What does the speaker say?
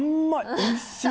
おいしい！